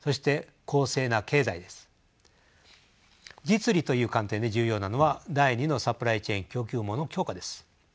実利という観点で重要なのは第２のサプライチェーン供給網の強化です。